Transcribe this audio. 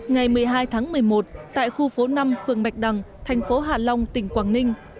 ngày một mươi hai tháng một mươi một tại khu phố năm phường bạch đằng thành phố hạ long tỉnh quảng ninh